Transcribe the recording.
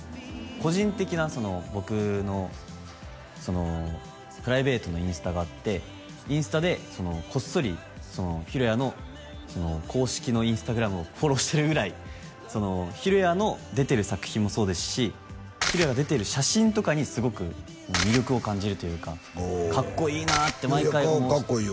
個人的な僕のプライベートなインスタがあってインスタでこっそり尋也の公式のインスタグラムをフォローしてるぐらい尋也の出てる作品もそうですし尋也が出てる写真とかにすごく魅力を感じるというかかっこいいなーって毎回かっこいいよ